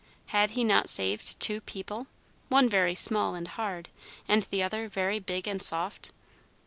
Had he not saved two "people," one very small and hard, and the other very big and soft?